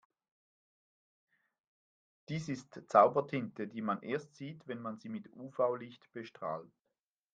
Dies ist Zaubertinte, die man erst sieht, wenn man sie mit UV-Licht bestrahlt.